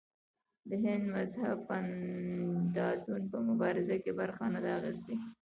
د هندو مذهب پنډتانو په مبارزو کې برخه نه ده اخیستې.